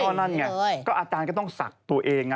ตอนนั้นเนี่ยก็อาจารย์ก็ต้องศักดิ์ตัวเอง